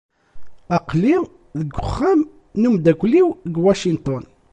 Aql-i deg uxxam n wemdakel-iw deg Washington.